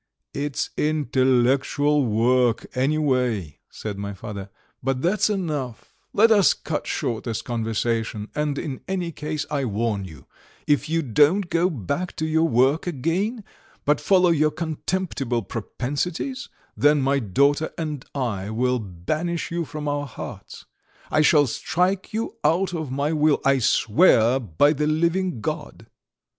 "It's intellectual work, anyway," said my father. "But that's enough; let us cut short this conversation, and in any case I warn you: if you don't go back to your work again, but follow your contemptible propensities, then my daughter and I will banish you from our hearts. I shall strike you out of my will, I swear by the living God!"